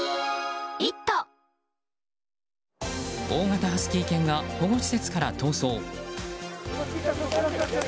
大型ハスキー犬が保護施設から逃走。